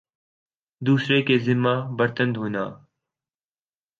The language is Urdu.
دوسری کے ذمہ برتن دھونا